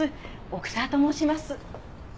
奥沢と申します。